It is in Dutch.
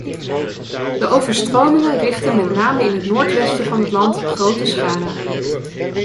De overstromingen richtten met name in het noordwesten van het land grote schade aan.